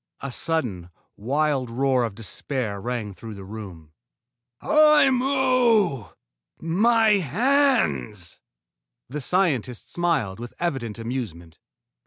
A sudden, wild roar of despair rang through the room. "Aimu! My hands!" The scientist smiled with evident amusement.